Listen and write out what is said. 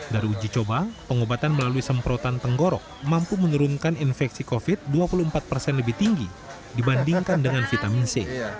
dari uji coba pengobatan melalui semprotan tenggorok mampu menurunkan infeksi covid sembilan belas dua puluh empat persen lebih tinggi dibandingkan dengan vitamin c